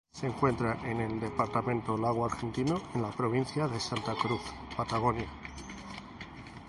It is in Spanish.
Se encuentra en el departamento Lago Argentino, en la provincia de Santa Cruz, Patagonia.